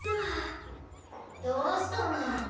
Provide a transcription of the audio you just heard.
どうしたんだろ。